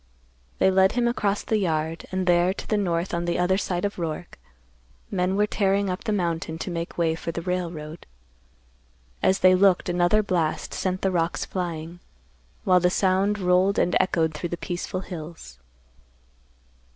They led him across the yard, and there to the north on the other side of Roark, men were tearing up the mountain to make way for the railroad. As they looked, another blast sent the rocks flying, while the sound rolled and echoed through the peaceful hills.